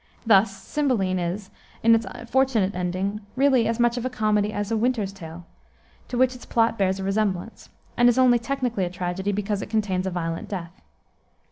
Thus Cymbeline is, in its fortunate ending, really as much of a comedy as Winter's Tale to which its plot bears a resemblance and is only technically a tragedy, because it contains a violent death.